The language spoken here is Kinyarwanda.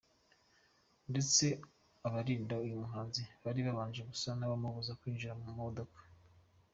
Ndetse abarinda uyu muhanzi bari babanje gusa n’abamubuza kwinjira mu modoka.